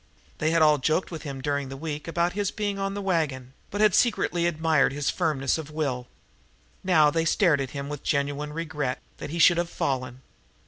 They had all joked with him during the week about his being on the wagon, but they had secretly admired his firmness of will. Now they stared at him with genuine regret that he should have fallen.